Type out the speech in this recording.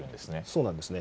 そうなんですね。